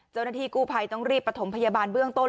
เจ้าหน้าที่กู้ภัยต้องรีบประถมพยาบาลเบื้องต้น